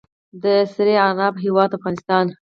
د سرې عناب هیواد افغانستان.